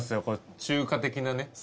これ中華的なね。